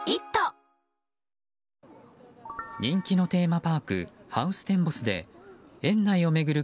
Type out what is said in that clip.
人気のテーマパークハウステンボスで園内を巡る